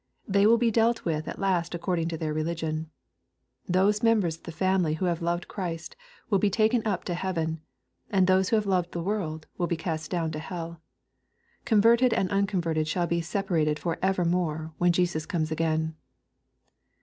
They will be dealt with at last according to their religion. Those members of the family who have loved Christ, will be taken up to heaven ; and those who have loved the world, will be cast down to hell. Converted and unconverted shall be separated for evermore when Jesus comes again.